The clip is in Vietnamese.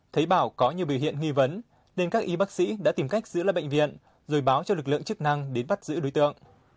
thấy bảo có nhiều biểu hiện nghi vấn nên các y bác sĩ đã tìm cách giữ lại bệnh viện rồi báo cho lực lượng chức năng đến bắt giữ đối tượng